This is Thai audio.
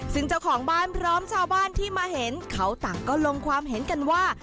ซึ่งเจ้าของบ้านพร้อมชาวบ้านที่มาเห็นเขาต่างก็ลงความเห็นกันว่า